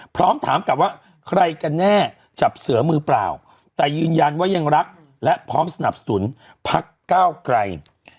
พร้อมถามกลับว่าใครกันแน่จับเสือมือเปล่าแต่ยืนยันว่ายังรักและพร้อมสนับสนุนพักก้าวไกล